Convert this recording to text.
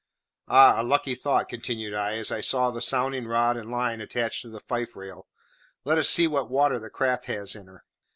Ah! a lucky thought," continued I, as I saw the sounding rod and line attached to the fife rail, "let us see what water the craft has in her."